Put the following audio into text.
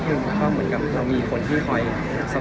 มันทอนแอร์ไปซักครั้งที่มีคนที่คอยโฆษีด้วย